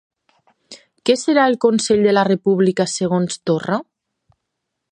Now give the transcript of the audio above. Què serà el Consell de la República segons Torra?